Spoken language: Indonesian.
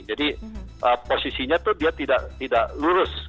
jadi posisinya itu dia tidak lurus